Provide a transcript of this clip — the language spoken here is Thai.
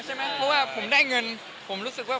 แต่ถ้าละครไม่เหมือนกัน